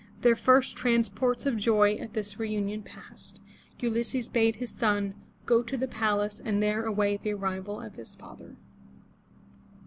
Their first transports of joy at this reunion past, Ulysses bade his son go to the palace and there await the arrival of his father.